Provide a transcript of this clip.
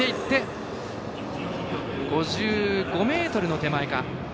５５ｍの手前か。